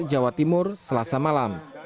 jawa timur selasa malam